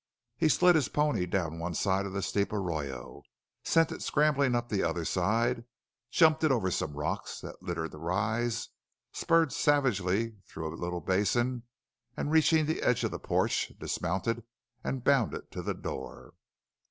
He slid his pony down one side of a steep arroyo, sent it scrambling up the other side, jumped it over some rocks that littered the rise, spurred savagely through a little basin, and reaching the edge of the porch, dismounted and bounded to the door.